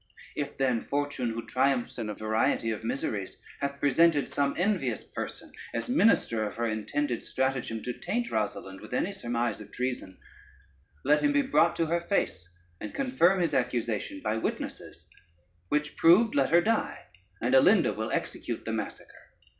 If then, fortune, who triumphs in a variety of miseries, hath presented some envious person (as minister of her intended stratagem) to taint Rosalynde with any surmise of treason, let him be brought to her face, and confirm his accusation by witnesses; which proved, let her die, and Alinda will execute the massacre.